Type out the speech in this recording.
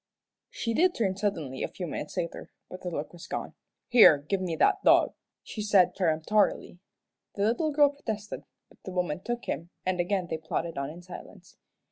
She did turn suddenly a few minutes later, but the look was gone. "Here, give me that dog," she said, peremptorily. The little girl protested, but the woman took him, and again they plodded on in silence.